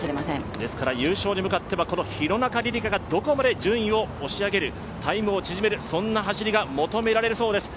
ですから優勝に向かってはこの廣中璃梨佳がどこまで順位を押し上げる、タイムを縮める、そんな走りが求められそうです。